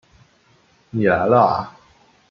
你来了啊